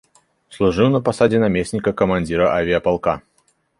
Служыў на пасадзе намесніка камандзіра авіяпалка.